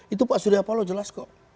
itu pak surya paloh jelas kok